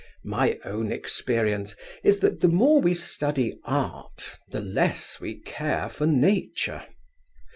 My own experience is that the more we study Art, the less we care for Nature.